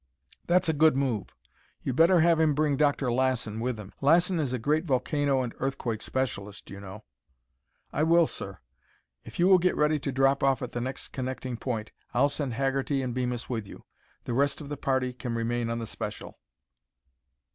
"That's a good move. You'd better have him bring Dr. Lassen with him. Lassen is a great volcano and earthquake specialist, you know." "I will, sir. If you will get ready to drop off at the next connecting point, I'll send Haggerty and Bemis with you. The rest of the party can remain on the special."